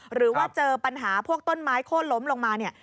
หรือว่าเจอปัญหาพวกต้นไม้โค้นล้มลงมาเนี่ย